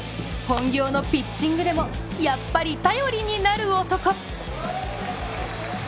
本業のピッチングでも、やっぱり頼りになる男。